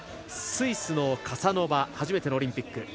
スイスのカサノバは初めてのオリンピック。